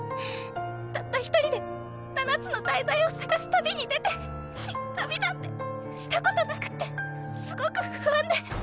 たった一人で七つの大罪を捜す旅に出て旅なんてしたことなくってすごく不安で。